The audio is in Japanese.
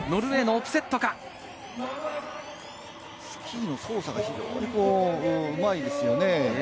スキーの操作がうまいですよね。